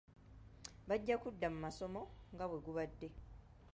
Bajja kudda mu masomo nga bwe gubadde.